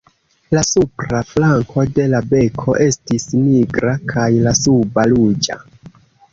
La supra flanko de la beko estis nigra, kaj la suba ruĝa.